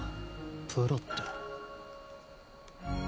プロって。